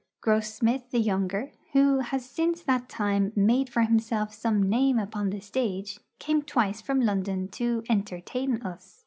Grossmith the younger, who has since that time made for himself some name upon the stage, came twice from London to 'entertain' us.